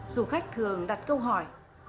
dù khách thường đặt câu hỏi